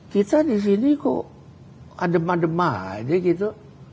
kita di sini kok adem ademah aja gitu